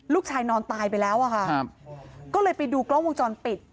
ลูกชายนอนตายไปแล้วอ่ะค่ะก็เลยไปดูกล้องวงจรปิด